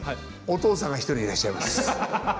お父さんが１人いらっしゃいます。